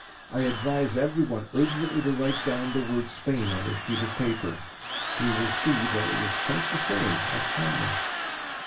I advise everyone urgently to write down the word "Spain" on a sheet of paper; he will see that it is quite the same as China.